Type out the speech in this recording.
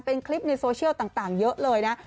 เป็นคลิปในโซเชียลต่างเยอะเลยนะ